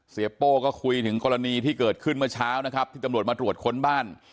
โป้ก็คุยถึงกรณีที่เกิดขึ้นเมื่อเช้านะครับที่ตำรวจมาตรวจค้นบ้าน